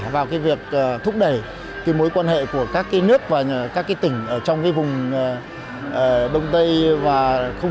có thể được thúc đẩy mối quan hệ của các nước và các tỉnh ở trong vùng đông tây và không